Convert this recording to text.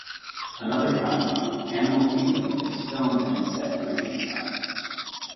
Another crime drama, "Animal Kingdom", is filmed and set in Oceanside.